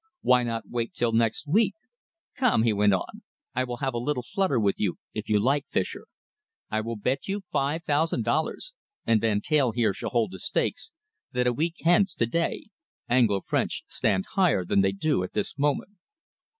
Why not wait till next week? Come," he went on, "I will have a little flutter with you, if you like, Fischer. I will bet you five thousand dollars, and Van Teyl here shall hold the stakes, that a week hence to day Anglo French stand higher than they do at this moment."